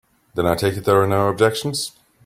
Then I take it there are no objections.